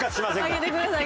上げてください。